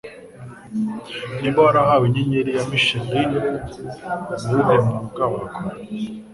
Niba Warahawe Inyenyeri ya Michelin ni uwuhe mwuga Wakora